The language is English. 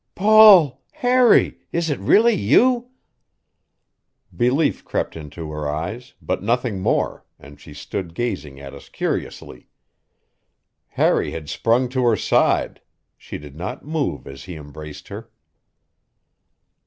"Paul! Harry, is it really you?" Belief crept into her eyes, but nothing more, and she stood gazing at us curiously. Harry had sprung to her side; she did not move as he embraced her.